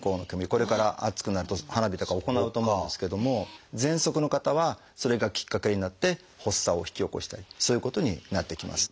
これから暑くなると花火とか行うと思うんですけどもぜんそくの方はそれがきっかけになって発作を引き起こしたりそういうことになってきます。